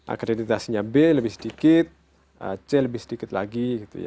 akreditasinya b lebih sedikit c lebih sedikit lagi